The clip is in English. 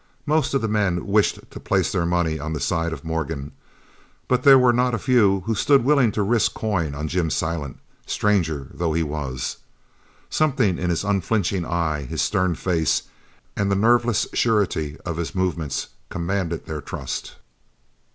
Most of the men wished to place their money on the side of Morgan, but there were not a few who stood willing to risk coin on Jim Silent, stranger though he was. Something in his unflinching eye, his stern face, and the nerveless surety of his movements commanded their trust.